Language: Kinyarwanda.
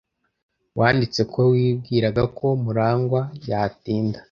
Wanditse ko wibwiraga ko Murangwa yatinda.